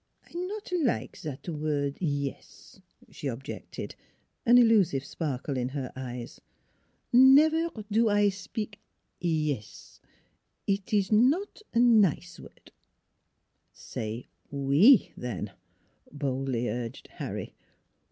" I not like zat word e e s," she objected, an illusive sparkle in her eyes. " Nevaire do I spik e e s; eet ees not nize word." " Say we then," boldly urged Harry.